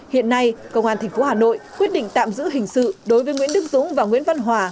hiện nay công an tp hà nội quyết định tạm giữ hình sự đối với nguyễn đức dũng và nguyễn văn hòa